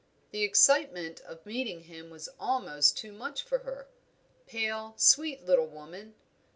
The excitement of meeting him was almost too much for her pale, sweet little woman.